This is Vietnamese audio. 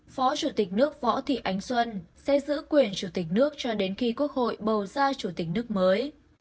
phó chủ tịch nước võ thị ánh xuân sẽ giữ quyền chủ tịch nước cho đến khi quốc hội bầu ra chủ tịch nước mới